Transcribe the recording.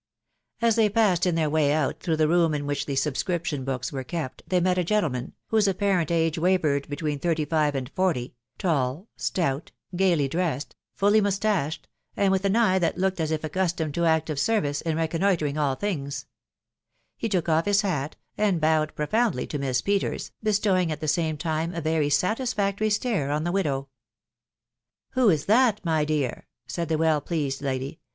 As they passed in their way out through the room in which the subscription books were kept* they met a gentleman, whose apparent age wavered between thirty five and forty, tall, stout, gaily dressed, fuHy moustaehed, an* with an eye that looked as if accustomed to active service iw reconnoitring all things* He took off his bat; and bowed profoundly to Miss Peters^ bestowing at the same time a very satisfactory stater on the widow. " Who is that, my dear ?" said the well pleased lady.